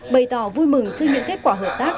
bày tỏ vui mừng trước những kết quả hợp tác